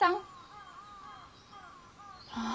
ああ。